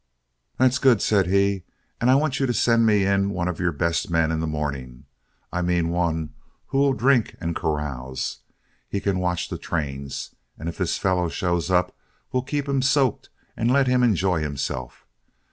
"That's good," said he, "and I want you to send me in one of your best men in the morning I mean one who will drink and carouse. He can watch the trains, and if this fellow shows up, we'll keep him soaked and let him enjoy himself.